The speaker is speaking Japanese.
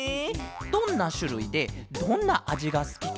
どんなしゅるいでどんなあじがすきケロ？